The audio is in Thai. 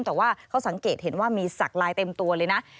แต่ว่าเขาสังเกตเห็นว่ามีสักลายเต็มตัวเลยนะ